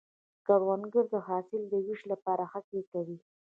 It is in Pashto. کروندګر د حاصل د ویش لپاره هڅې کوي